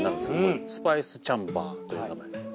スパイスチャンバーという名前。